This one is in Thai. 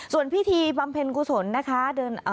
ส่วนพิธีบำเพ็ญกุศลนะคะ